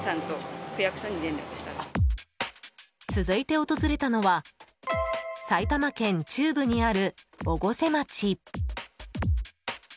続いて訪れたのは埼玉県中部にある越生町。